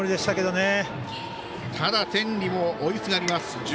ただ、天理も追いすがります。